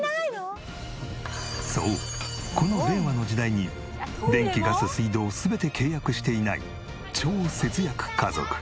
そうこの令和の時代に電気ガス水道全て契約していない超節約家族。